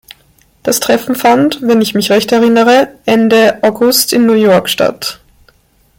Das Treffen fand, wenn ich mich recht erinnere, Ende August in New York statt.